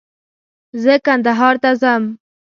زه کندهار ته ځم